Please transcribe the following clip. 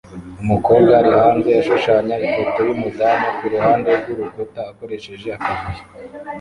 Umukobwa ari hanze ashushanya ifoto yumudamu kuruhande rwurukuta akoresheje akavuyo